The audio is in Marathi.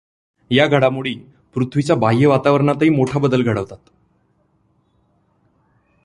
या घडामोडी पृथ्वीच्या बाह्यवातावरणातही मोठा बदल घडवतात.